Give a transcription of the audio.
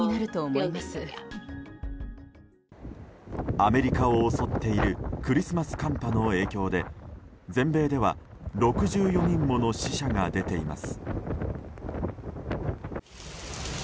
アメリカを襲っているクリスマス寒波の影響で全米では６４人もの死者が出ています。